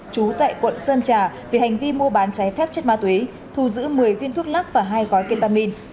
trú tại quận sơn trà vì hành vi mua bán trái phép chất ma túy thu giữ một mươi viên thuốc lắc và hai gói ketamin